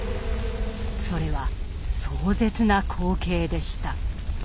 それは壮絶な光景でした。